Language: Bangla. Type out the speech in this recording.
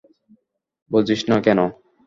বুঝিস না কেন।